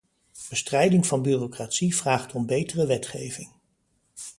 Bestrijding van bureaucratie vraagt om betere wetgeving.